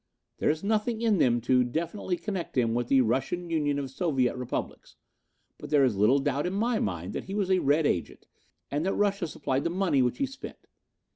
There is nothing in them to definitely connect him with the Russian Union of Soviet Republics, but there is little doubt in my mind that he was a Red agent and that Russia supplied the money which he spent.